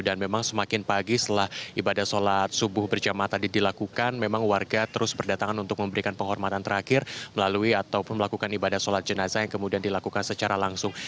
memang semakin pagi setelah ibadah sholat subuh berjamaah tadi dilakukan memang warga terus berdatangan untuk memberikan penghormatan terakhir melalui ataupun melakukan ibadah sholat jenazah yang kemudian dilakukan secara langsung